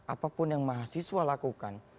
apapun yang mahasiswa lakukan